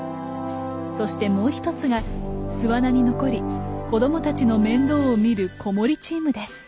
そしてもう一つが巣穴に残り子供たちの面倒を見る子守チームです。